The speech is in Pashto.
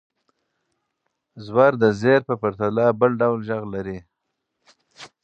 زور د زېر په پرتله بل ډول غږ لري.